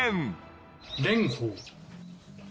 「蓮舫」